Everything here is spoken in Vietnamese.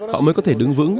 họ mới có thể đứng vững